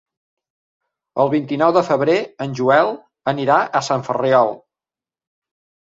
El vint-i-nou de febrer en Joel anirà a Sant Ferriol.